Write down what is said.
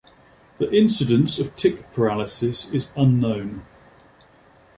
The incidence of tick paralysis is unknown.